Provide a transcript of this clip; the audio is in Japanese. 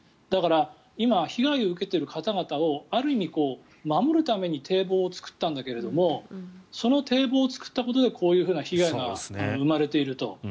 だから今、被害を受けている方々をある意味、守るために堤防を造ったんだけれどもその堤防を作ったことでこういうような被害が生まれていると。